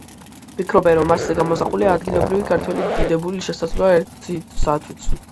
ფიქრობენ, რომ მასზე გამოსახულია ადგილობრივი ქართველი დიდებული, შესაძლოა ერისთავიც.